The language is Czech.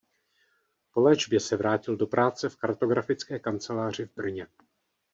Po léčbě se vrátil do práce v kartografické kanceláři v Brně.